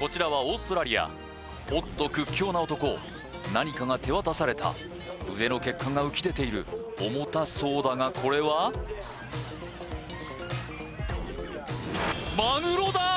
こちらはオーストラリアおっと屈強な男何かが手渡された腕の血管が浮き出ている重たそうだがこれはマグロだ！